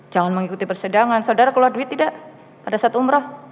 jangan mengikuti persidangan saudara keluar duit tidak pada saat umroh